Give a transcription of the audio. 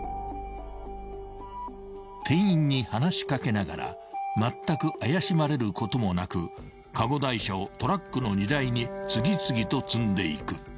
［店員に話し掛けながらまったく怪しまれることもなくカゴ台車をトラックの荷台に次々と積んでいく］